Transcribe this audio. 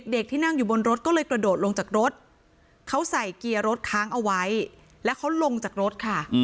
ที่นั่งอยู่บนรถก็เลยกระโดดลงจากรถเขาใส่เกียร์รถค้างเอาไว้แล้วเขาลงจากรถค่ะ